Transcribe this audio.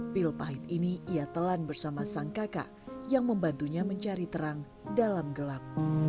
pil pahit ini ia telan bersama sang kakak yang membantunya mencari terang dalam gelap